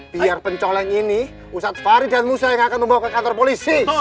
biar pencoleng ini ustadz farid dan musa yang akan membawa ke kantor polisi